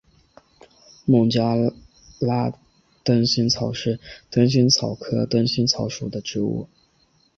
孟加拉灯心草是灯心草科灯心草属的植物。